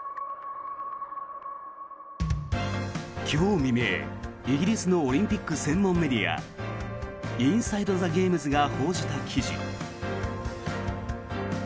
今日未明、イギリスのオリンピック専門メディアインサイド・ザ・ゲームズが報じた記事。